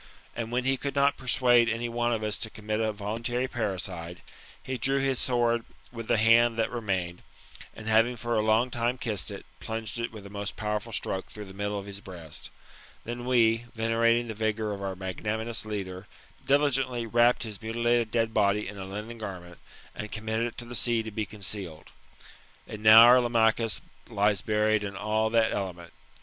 And when he could not persuade any one of us to commit a voluntary parricide^ he drew his sword with the hand that remained, and having for a long time kissed it, plunged it with a most powerful stroke through the middle of his breast Then we, venerating the vigour of our magnanimous leader, diligently wrapped his muti lated dead body in a linen garment, and committed it to the sea to be concealed. And now our Lamachus lies buried in all that element.